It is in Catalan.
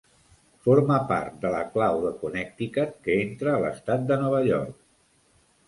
Forma part de "la clau" de Connecticut que entra a l'estat de Nova York.